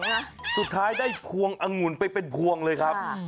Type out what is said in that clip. เดี๋ยวเคียร์ถูไทยสุดท้ายได้พวงอังุ่นไปเป็นพวงเลยครับ